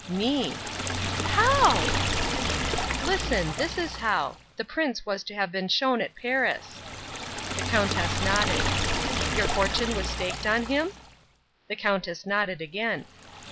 "Me!" "How?" "Listen. This is how. The Prince was to have been shown at Paris." The Countess nodded. "Your fortune was staked on him?" The Countess nodded again.